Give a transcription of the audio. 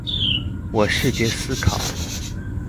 我視覺思考